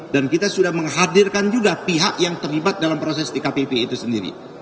dan kita sudah menghadirkan juga pihak yang terlibat dalam proses di kpp itu sendiri